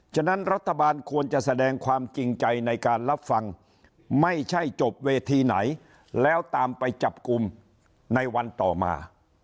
ฉะนั้นรัฐบาลควรจะแสดงความจริงใจในการรับฟังไม่ใช่จบเวทีไหนแล้วตามไปจับกลุ่มในวันต่อมา